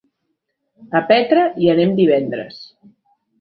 A Petra hi anem divendres.